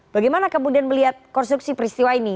bagaimana kemudian melihat konstruksi peristiwa ini